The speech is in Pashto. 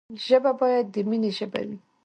ژبه باید د ميني ژبه وي.